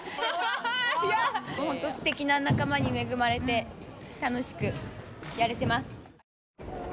すてきな仲間に恵まれて楽しくやれてます。